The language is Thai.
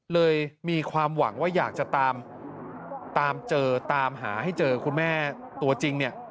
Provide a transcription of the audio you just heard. เลยมีความหวังว่าอยากจะตามเจอตามหาให้เจอคุณแม่ตัวจริงเนี่ย